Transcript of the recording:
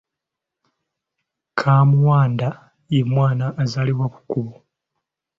“Kaamuwanda” ye mwana azaalibwa ku kkubo.